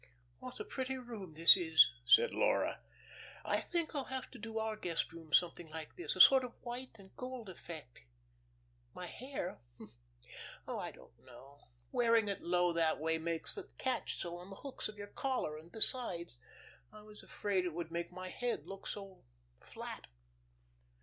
"What a pretty room this is," said Laura. "I think I'll have to do our guest room something like this a sort of white and gold effect. My hair? Oh, I don't know. Wearing it low that way makes it catch so on the hooks of your collar, and, besides, I was afraid it would make my head look so flat."